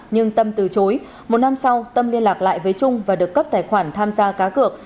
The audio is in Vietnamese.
nhưng tâm từ chối một năm sau tâm liên lạc lại với trung và được cấp tài khoản tham gia cá cược